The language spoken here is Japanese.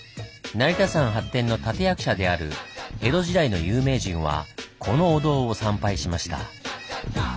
成田山発展の立て役者である江戸時代の有名人はこのお堂を参拝しました。